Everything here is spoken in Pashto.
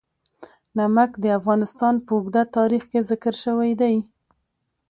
نمک د افغانستان په اوږده تاریخ کې ذکر شوی دی.